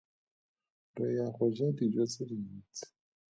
Re ya go ja dijo tse dintsi.